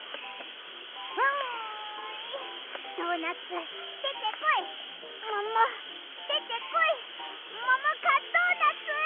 うんドーナツでてこいももでてこいももかドーナツ！